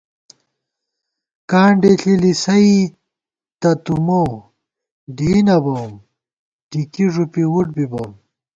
کانڈے ݪِی لِسَئیتہ تُو مو، ڈېئی نہ بَوُم ، ٹِکی ݫُپی وُٹ بِبوم